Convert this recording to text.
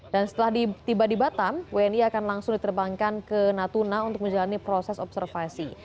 dan setelah tiba di batam wni akan langsung diterbangkan ke natuna untuk menjalani proses observasi